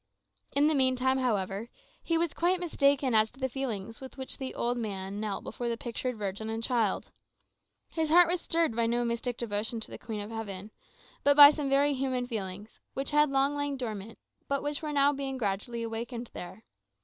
In the meantime, however, he was quite mistaken as to the feelings with which the old man knelt before the pictured Virgin and Child. His heart was stirred by no mystic devotion to the Queen of Heaven, but by some very human feelings, which had long lain dormant, but which were now being gradually awakened there.